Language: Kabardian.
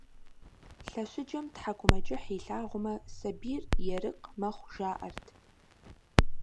Лъэщыджэм тхьэкӀумэкӀыхь илъагъумэ, сабийр ерыкъ мэхъу, жаӀэрт.